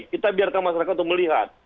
kita biarkan masyarakat untuk melihat